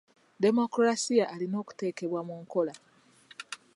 Demokolasiya alina okuteekebwa mu nkola.